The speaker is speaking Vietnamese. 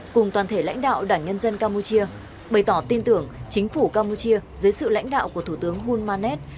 cùng toàn thể lãnh đạo đảng nhân dân campuchia bày tỏ tin tưởng chính phủ campuchia dưới sự lãnh đạo của thủ tướng hulmanet